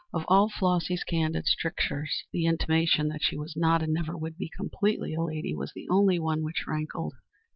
Of all Flossy's candid strictures the intimation that she was not and never would be completely a lady was the only one which rankled.